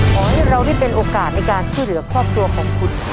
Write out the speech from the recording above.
ขอให้เราได้เป็นโอกาสในการช่วยเหลือครอบครัวของคุณ